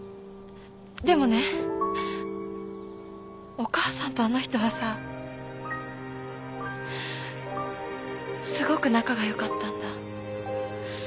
でもねお母さんとあの人はさすごく仲がよかったんだ。